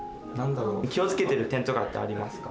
気を付けてる点とかってありますか？